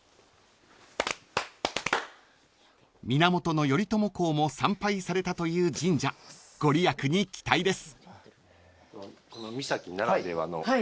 ［源頼朝公も参拝されたという神社御利益に期待です］